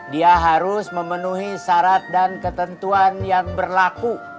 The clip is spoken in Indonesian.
dia harus memenuhi syarat dan ketentuan yang berlaku